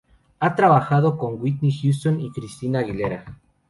Ha trabajado con Whitney Houston y Christina Aguilera.